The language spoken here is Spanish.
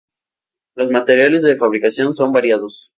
Los materiales de fabricación son variados.